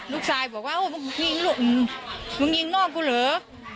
ลูกชายบอกว่ามึงยิงลูกมึงมึงยิงนอกกูเหรอ